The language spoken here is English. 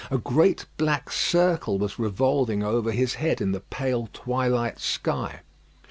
A great black circle was revolving over his head in the pale twilight sky.